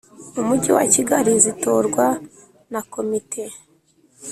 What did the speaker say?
Umujyi wa Kigali zitorwa na Komite